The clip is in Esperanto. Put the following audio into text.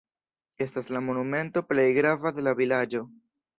Estas la monumento plej grava de la vilaĝo.